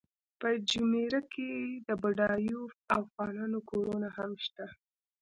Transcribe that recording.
په جمیره کې د بډایو افغانانو کورونه هم شته.